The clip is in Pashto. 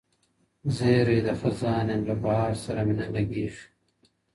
زېری د خزان یم له بهار سره مي نه لګي.